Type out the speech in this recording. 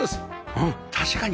うん確かに。